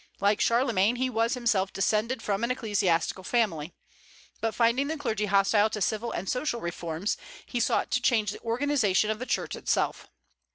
Like Charlemagne, he was himself descended from an ecclesiastical family. But finding the clergy hostile to civil and social reforms, he sought to change the organization of the Church itself.